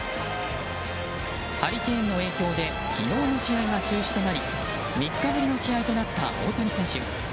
ハリケーンの影響で昨日の試合が中止となり３日ぶりの試合となった大谷選手。